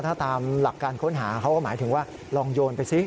ถ้าตามหลักการค้นหาเขาก็หมายถึงว่าลองโยนไปซิ